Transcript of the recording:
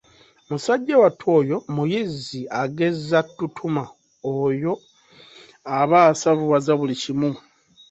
Musajja wattu oyo muyizzi agezza ttutuma, oyo aba asavuwaza buli kimu.